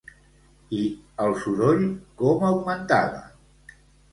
I el soroll com augmentava?